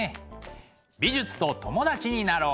美術と友達になろう！